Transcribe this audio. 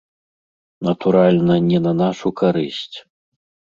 Натуральна, не на нашу карысць.